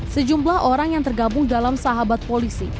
sejumlah orang yang tergabung dalam sahabat polisi